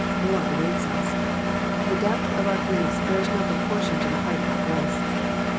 More awaits us. The depth of our griefs bears no proportion to the height of our bliss.